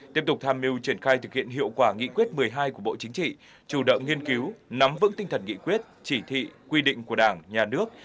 tiếp tục tham mưu triển khai thực hiện hiệu quả nghị quyết một mươi hai của bộ chính trị chủ động nghiên cứu nắm vững tinh thần nghị quyết chỉ thị quy định của đảng nhà nước